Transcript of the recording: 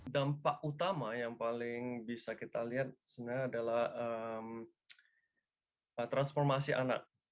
dampak utama yang paling bisa kita lihat sebenarnya adalah transformasi anak